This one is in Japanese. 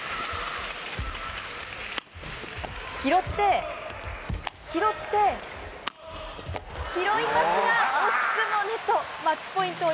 拾って、拾って、拾いますが、惜しくもネット。